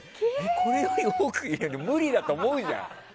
これより多く入れるのは無理だと思うじゃん。